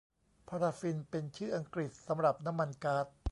พาราฟินเป็นชื่ออังกฤษสำหรับน้ำมันก๊าด